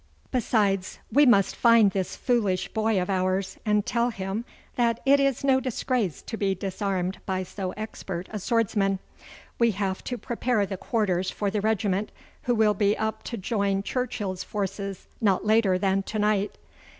'Besides, we must find this foolish boy of ours, and tell him that it is no disgrace to be disarmed by so expert a swordsman. We have to prepare the quarters for the regiment, who will be up to join Churchill's forces not later than to night.